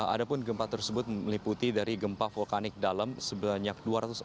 adapun gempa tersebut meliputi dari gempa vulkanik dalam sebanyak dua ratus empat puluh